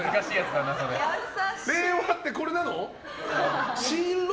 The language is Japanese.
令和ってこれなの？